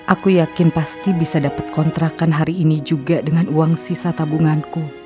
aku yakin pasti bisa dapat kontrakan hari ini juga dengan uang sisa tabunganku